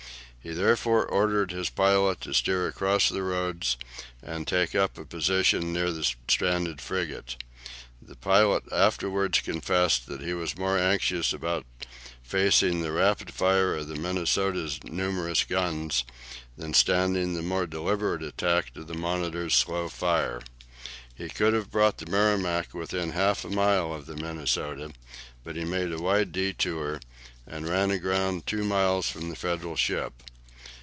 He therefore ordered his pilot to steer across the Roads, and take up a position near the stranded frigate. The pilot afterwards confessed that he was more anxious about facing the rapid fire of the "Minnesota's" numerous guns than standing the more deliberate attack of the "Monitor's" slow fire. He could have brought the "Merrimac" within half a mile of the "Minnesota," but he made a wide detour, and ran aground two miles from the Federal ship.